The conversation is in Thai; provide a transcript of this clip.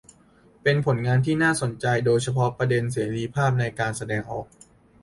เป็นผลงานที่น่าสนใจโดยเฉพาะประเด็นเสรีภาในการแสดงออก